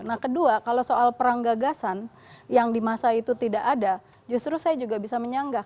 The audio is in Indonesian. nah kedua kalau soal perang gagasan yang di masa itu tidak ada justru saya juga bisa menyanggah